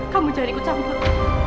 kamu jangan ikut sama aku